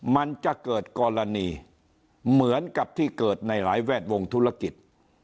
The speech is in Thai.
มันจะเกิดกรณีเหมือนกับที่เกิดในหลายแวดวงธุรกิจ